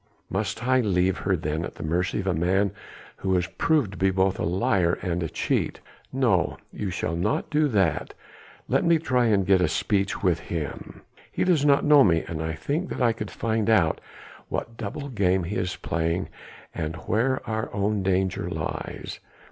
"Must I leave her then at the mercy of a man who is proved to be both a liar and a cheat?" "No! you shall not do that. Let me try and get speech with him. He does not know me; and I think that I could find out what double game he is playing and where our own danger lies.